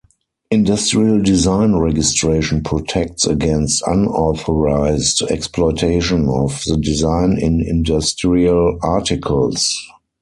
Industrial design registration protects against unauthorized exploitation of the design in industrial articles.